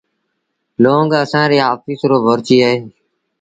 لونگ اسآݩ ري آڦيس رو ڀورچيٚ اهي